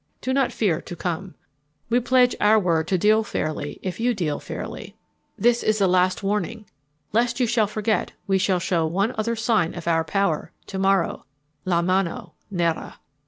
Do not fear to come. We pledge our word to deal fairly if you deal fairly. This is a last warning. Lest you shall forget we will show one other sign of our power to morrow. LA MANO NERA.